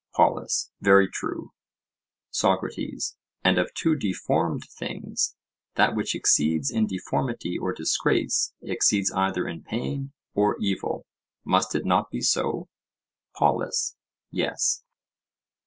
POLUS: Very true. SOCRATES: And of two deformed things, that which exceeds in deformity or disgrace, exceeds either in pain or evil—must it not be so? POLUS: Yes.